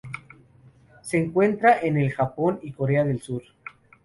Se encuentra en el Japón y Corea del Sur.